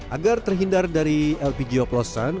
agar terhindar dari lpg oplosan